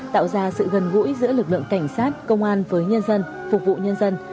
tạo ra sự gần gũi giữa lực lượng cảnh sát công an với nhân dân phục vụ nhân dân